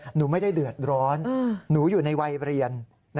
หนูไม่ได้เดือดร้อนหนูอยู่ในวัยเรียน